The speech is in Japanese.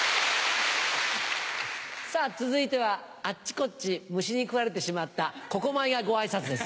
さぁ続いてはあっちこっち虫に食われてしまった古古米がご挨拶です。